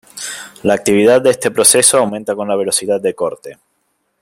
La actividad de este proceso aumenta con la velocidad de corte.